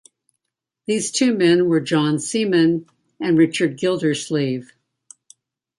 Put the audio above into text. These two men were John Seaman and Richard Guildersleeve.